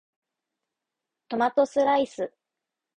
トマトスライス